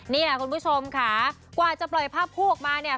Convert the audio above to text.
เนี่ยคุณผู้ชมค่ะกว่าจะปล่อยภาพคู่ออกมาเนี่ย